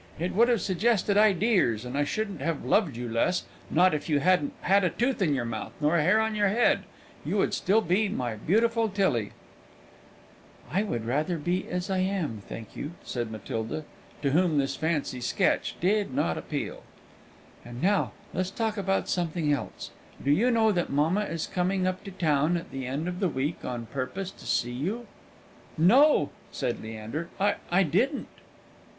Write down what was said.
"It would have suggested ideers, and I shouldn't have loved you less, not if you hadn't had a tooth in your mouth nor a hair on your head; you would still be my beautiful Tillie." "I would rather be as I am, thank you," said Matilda, to whom this fancy sketch did not appeal. "And now, let's talk about something else. Do you know that mamma is coming up to town at the end of the week on purpose to see you?" "No," said Leander, "I I didn't."